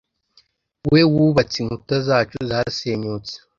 we wubatse inkuta zacu zasenyutse,